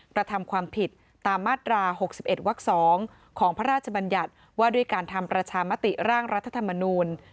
กระทำความผิดตามมาตรา๖๑วัก๒ของพระราชบัญญัติว่าด้วยการทำประชามติร่างรัฐธรรมนูล